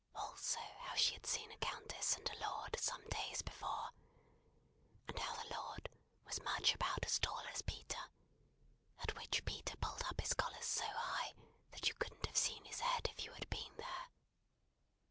Also how she had seen a countess and a lord some days before, and how the lord "was much about as tall as Peter;" at which Peter pulled up his collars so high that you couldn't have seen his head if you had been there.